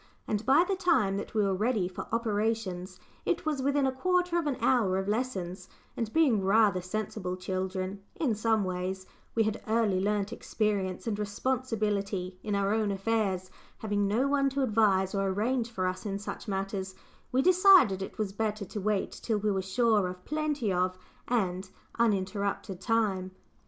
And by the time that we were ready for operations, it was within a quarter of an hour of lessons, and being rather sensible children in some ways we had early learnt experience and responsibility in our own affairs, having no one to advise or arrange for us in such matters we decided it was better to wait till we were sure of plenty of, and uninterrupted, time.